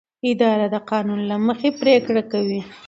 اداره د قانون له مخې پریکړه کوي.